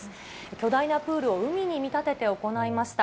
巨大なプールを海に見立てて行いました。